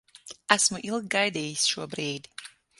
Esmu ilgi gaidījis šo brīdi.